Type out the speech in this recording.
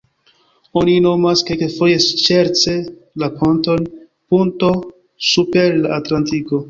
Oni nomas kelkfoje, ŝerce la ponton ponto super la Atlantiko.